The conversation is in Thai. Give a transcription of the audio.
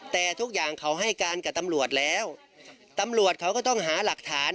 แต่ทุกอย่างเขาให้การกับตำรวจแล้วตำรวจเขาก็ต้องหาหลักฐาน